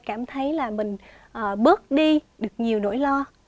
cảm thấy là mình bớt đi được nhiều nỗi lo